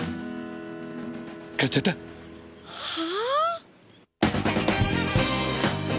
買っちゃった！はあ！？